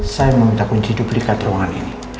saya mau minta kunci duplikat di ruangan ini